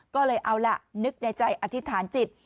ก็เลยเอาล่ะนึกในใจอธิษฐานจิต